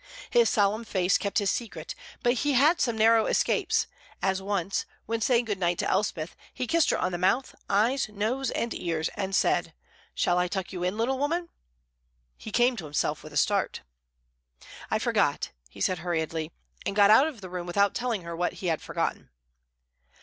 His solemn face kept his secret, but he had some narrow escapes; as once, when saying good night to Elspeth, he kissed her on mouth, eyes, nose, and ears, and said: "Shall I tuck you in, little woman?" He came to himself with a start. "I forgot," he said hurriedly, and got out of the room without telling her what he had forgotten.